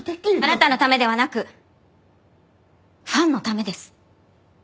あなたのためではなくファンのためです。